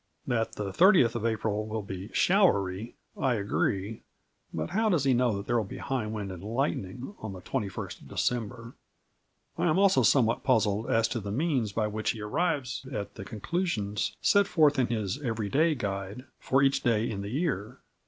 That the 30th of April will be "showery" I agree, but how does he know that there will be "high wind and lightning" on the 21st of December? I am also somewhat puzzled as to the means by which he arrives at the conclusions set forth in his "every day" guide for each day in the year.